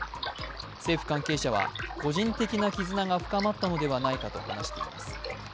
政府関係者は、個人的な絆が深まったのではないかと話しています。